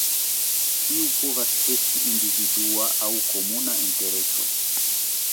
Tiu povas esti individua aŭ komuna intereso.